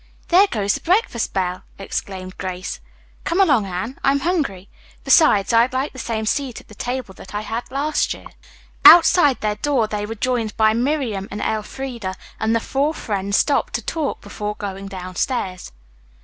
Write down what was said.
"There goes the breakfast bell!" exclaimed Grace. "Come along, Anne, I'm hungry. Besides, I'd like the same seat at the table that I had last year." Outside their door they were joined by Miriam and Elfreda, and the four friends stopped to talk before going downstairs.